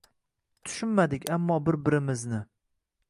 Tushunmadik ammo bir-birimizni…